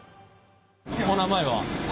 お名前は？